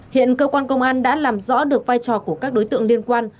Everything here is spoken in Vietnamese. hiện cơ quan công an đã làm rõ được vai trò của các đối tượng liên quan